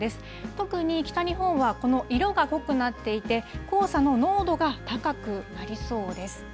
特に北日本はこの色が濃くなっていて、黄砂の濃度が高くなりそうです。